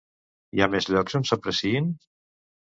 Hi ha més llocs on s'apreciïn?